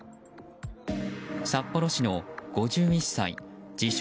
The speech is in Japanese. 札幌市の５１歳、自称